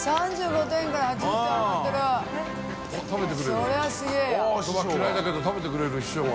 そば嫌いだけど食べてくれる師匠が。